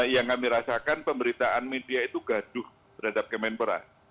yang kami rasakan pemberitaan media itu gaduh terhadap kemenpora